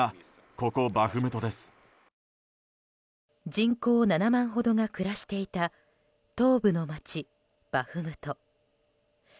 人口７万ほどが暮らしていた東部の街バフムト。